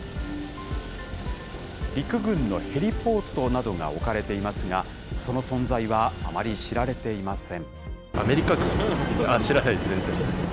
陸軍のヘリポートなどが置かれていますが、その存在はあまり知られていません。